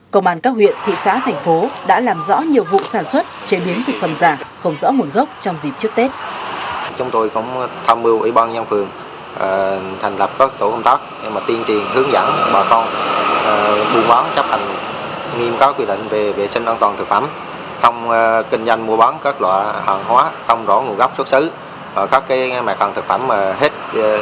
công an các huyện thị xã thành phố đã làm rõ nhiều vụ sản xuất chế biến thực phẩm giả không rõ nguồn gốc trong dịp trước tết